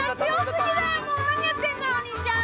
もう何やってんのよお兄ちゃん。